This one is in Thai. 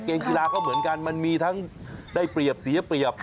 กีฬาก็เหมือนกันมันมีทั้งได้เปรียบเสียเปรียบ